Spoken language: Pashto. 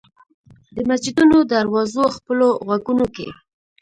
د مسجدونو دروازو خپلو غوږونو کې